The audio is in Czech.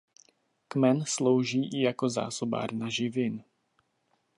Kmen slouží i jako zásobárna živin.